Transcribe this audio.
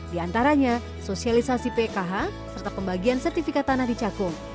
di antaranya sosialisasi pkh serta pembagian sertifikat tanah di cakung